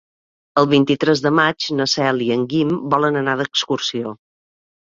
El vint-i-tres de maig na Cel i en Guim volen anar d'excursió.